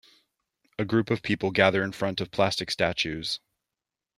A group of people gather in front of plastic statues.